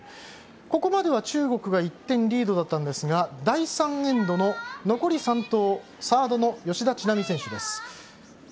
ここまでは中国が１点リードでしたが第３エンドの残り３投サードの吉田知那美選手です。